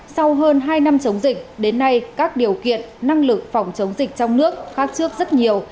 sau hơn hai năm chống dịch đến nay các điều kiện năng lực phòng chống dịch trong nước khác trước rất nhiều